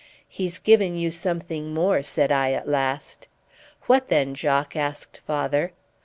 "He's given you something more," said I at last. "What then, Jock?" asked father.